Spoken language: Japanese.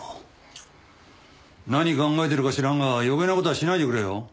何考えてるか知らんが余計な事はしないでくれよ。